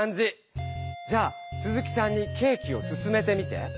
じゃあスズキさんにケーキをすすめてみて。